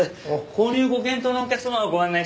購入ご検討のお客様をご案内してきました。